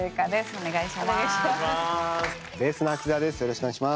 お願いします。